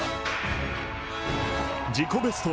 自己ベスト